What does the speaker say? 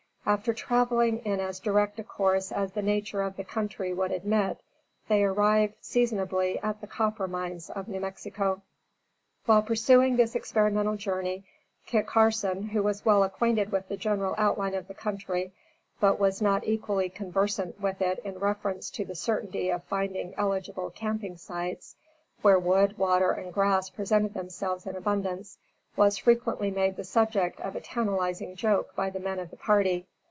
After traveling in as direct a course as the nature of the country would admit, they arrived seasonably at the copper mines of New Mexico. While pursuing this experimental journey, Kit Carson, who was well acquainted with the general outline of the country, but was not equally conversant with it in reference to the certainty of finding eligible camping sites, where wood, water and grass presented themselves in abundance, was frequently made the subject of a tantalizing joke by the men of the party.